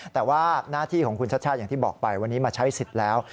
แต่ว่าหน้าที่ของคุณชัชชาติอย่างที่บอกไปวันนี้มาใช้สิทธิ์แล้ว